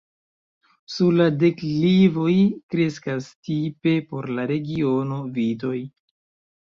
Sur la deklivoj kreskas, tipe por la regiono, vitoj.